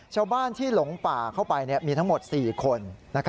ชาวบ้านที่หลงป่าเข้าไปมีทั้งหมด๔คน